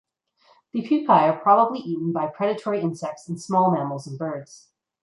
The pupae are probably eaten by predatory insects and small mammals and birds.